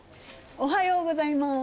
おはようございます。